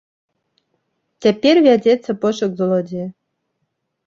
Цяпер вядзецца пошук злодзея.